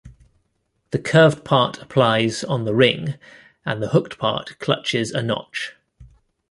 The curved part applies on the ring, and the hooked part clutches a notch.